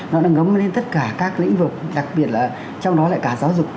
nó đã ngấm lên tất cả các lĩnh vực đặc biệt là trong đó lại cả giáo dục